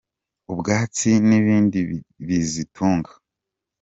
ubwatsi n’ibindi bizitunga.